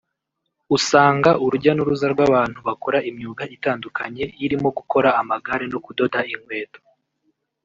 usanga urujya n’uruza rw’abantu bakora imyuga itandukanye irimo gukora amagare no kudoda inkweto